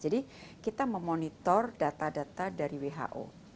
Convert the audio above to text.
jadi kita memonitor data data dari who